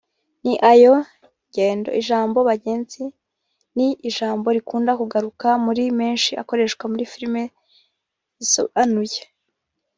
ni nayo ngendo) ijambo bagenzi ni ijambo rikunda kugaruka muri menshi akoreshwa muri filime zisobanuye